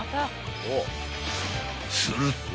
［すると］